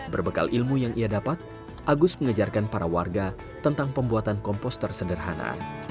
berbekal ilmu yang ia dapat agus mengejarkan para warga tentang pembuatan kompos terseberhana